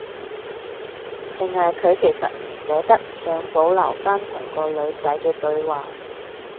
定係佢其實唔捨得，想保留返同個女仔嘅對話